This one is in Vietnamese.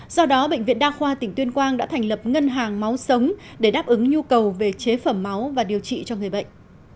do đó bệnh viện đa khoa tỉnh tuyên quang đã thành lập ngân hàng máu sống để đáp ứng nhu cầu về chế phẩm máu và điều trị cho người bệnh